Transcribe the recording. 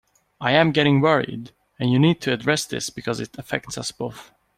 I am getting worried, and you need to address this because it affects us both.